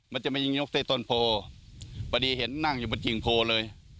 มันจะมีต้นโพศเทศปะดีเห็นนั่งอยู่บนกินโพซ์เลย